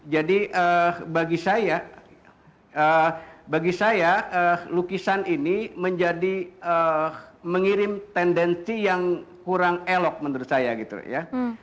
jadi bagi saya bagi saya lukisan ini menjadi mengirim tendensi yang kurang elok menurut saya gitu ya